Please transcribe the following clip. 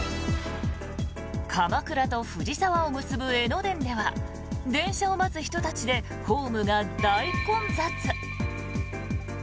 鎌倉と藤沢を結ぶ江ノ電では電車を待つ人たちでホームが大混雑。